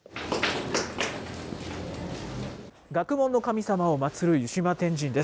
学問の神様を祭る湯島天神です。